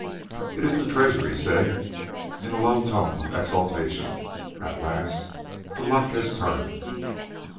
"It is the treasure," he said, in a low tone of exultation. "At last the luck has turned."